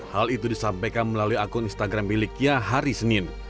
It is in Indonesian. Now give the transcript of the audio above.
hal itu disampaikan melalui akun instagram miliknya hari senin